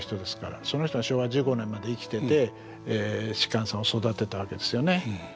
その人が昭和１５年まで生きてて芝さんを育てたわけですよね。